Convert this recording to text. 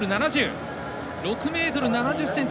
６ｍ７０ｃｍ。